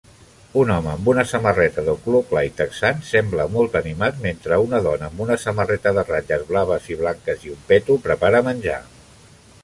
Un home amb una samarreta de color clar i texans sembla molt animat mentre una dona amb una samarreta de ratlles blaves i blanques i un peto prepara menjar.